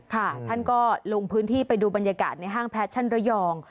ท่านก็ลงพื้นที่ไปดูบรรยากาศในห้างแฟชั่นระยอง